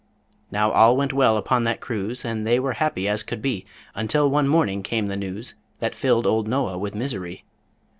Now all went well upon that cruise, And they were happy as could be, Until one morning came the news That filled old Noah with misery.